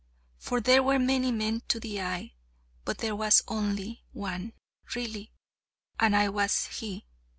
For there were many men to the eye: but there was One only, really: and I was he.